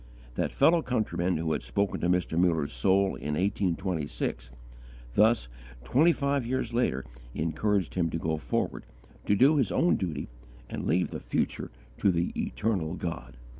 That fellow countryman who had spoken to Mr. Muller's soul in 1826, thus twenty five years later encouraged him to go forward, to do his own duty and leave the future to the Eternal God.